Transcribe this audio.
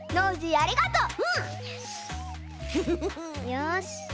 よし！